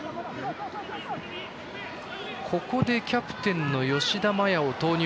ここでキャプテンの吉田麻也を投入。